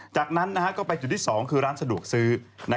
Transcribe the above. จากนั้นก็ไปจุดที่๒คือร้านสะดวกซื้อ